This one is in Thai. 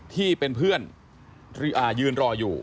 ที่เป็นเพื่อนยืนรออยู่